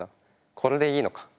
これでいいのか。